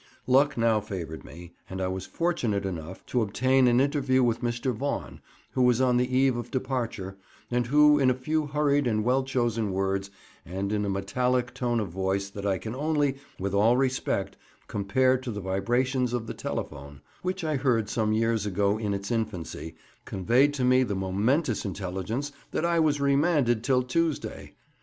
Luck now favoured me, and I was fortunate enough to obtain an interview with Mr. Vaughan, who was on the eve of departure, and who, in a few hurried and well chosen words, and in a metallic tone of voice that I can only, with all respect, compare to the vibrations of the telephone, which I heard some years ago in its infancy, conveyed to me the momentous intelligence that I was remanded till Tuesday.